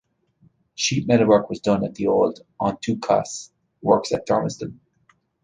Sheet metalwork was done at the old 'en tout cas' works at Thurmaston.